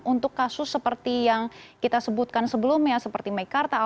untuk kasus seperti yang kita sebutkan sebelumnya seperti mekarta